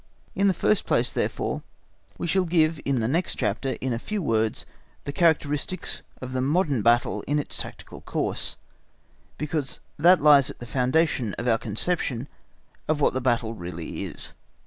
In the first place, therefore, we shall give in the next chapter, in a few words, the characteristics of the modern battle in its tactical course, because that lies at the foundation of our conceptions of what the battle really is.